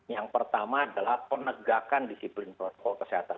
yang pertama adalah penegakan disiplin protokol kesehatan